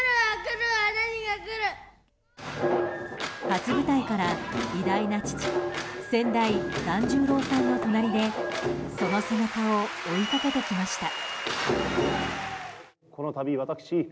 初舞台から偉大な父先代團十郎さんの隣でその背中を追いかけてきました。